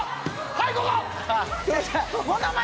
はいここ！